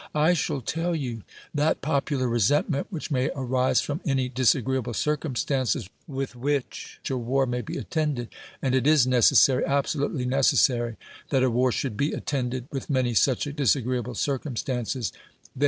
I shall tell you. That popular resentment which may arise from any disagreeable circumstances with which a war may be attended (and it is necessary, absolutely necessary that a war should be attended with many such disagreeable circumstances) they v.'